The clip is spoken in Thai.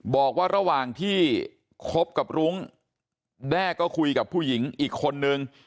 บอกว่าระหว่างที่คบกับรุ้งแด้ก็คุยกับผู้หญิงอีกคนนึง